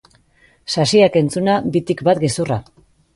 Sasiak entzuna bitik bat gezurra.